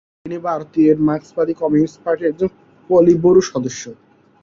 তিনি ভারতের মার্কসবাদী কমিউনিস্ট পার্টির একজন পলিটব্যুরো সদস্য।